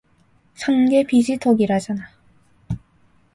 싼 게 비지떡이라잖아